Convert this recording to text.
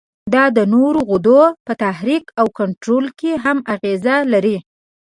دا د نورو غدو په تحریک او کنترول کې هم اغیزه لري.